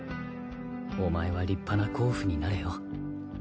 お前は立派な鉱夫になれよ。